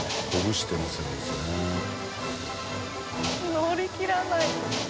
のりきらない。